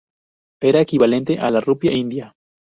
Era equivalente a la rupia india.